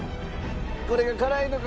「これが辛いのか？